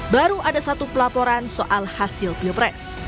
baru ada satu pelaporan soal hasil pilpres